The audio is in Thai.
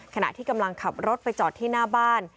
ขณะที่กำลังขับรถไปจอดที่หน้าบ้าน